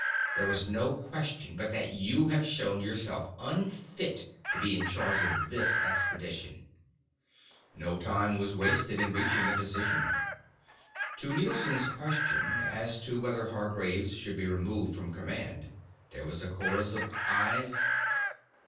There is no question but that you have shown yourself unfit to be in charge of this expedition." No time was wasted in reaching a decision. To Nielson's question as to whether Hargraves should be removed from command, there was a chorus of "Ayes."